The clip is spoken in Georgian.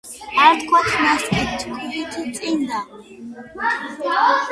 არ თქვათ ნასკი თქვით წინდა